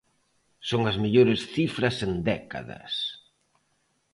Son as mellores cifras en décadas.